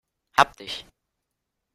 Hab dich!